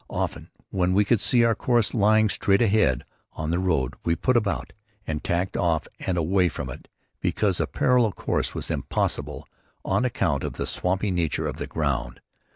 Often, when we could see our course lying straight ahead on the road, we put about and tacked off and away from it because a parallel course was impossible on account of the swampy nature of the ground.